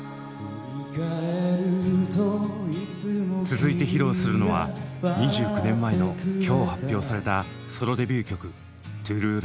続いて披露するのは２９年前の今日発表されたソロデビュー曲「ＴＲＵＥＬＯＶＥ」。